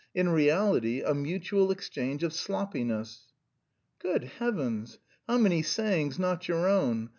In reality a mutual exchange of sloppiness...." "Good heavens! How many sayings not your own!